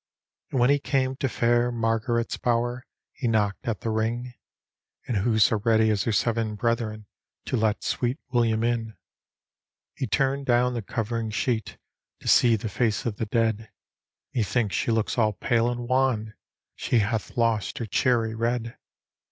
And when he carac to fair Margaret's bower, He knocked at the ring; And who so ready as her seven brethren, To let sweet William in. He turned down the covering sheet^ To see the face of the dead; " Methinks she looks all pale and wan ; She hath lost her cherry red.